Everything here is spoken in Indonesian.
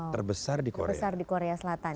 terbesar di korea selatan